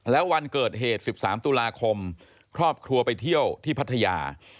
แล้ววันเกิดเหตุ๑๓ตุลาคมครอบครัวไปเที่ยวที่พัทยา